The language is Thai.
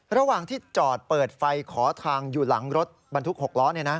ระหว่างที่จอดเปิดไฟขอทางอยู่หลังรถบรรทุก๖ล้อ